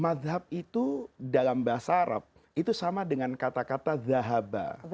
mazhab itu dalam bahasa arab itu sama dengan kata kata zahaba